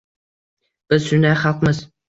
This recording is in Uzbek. Biz shunday xalqmiz.